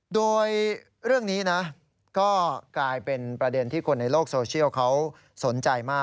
โดยเรื่องนี้นะก็กลายเป็นประเด็นที่คนในโลกโซเชียลเขาสนใจมาก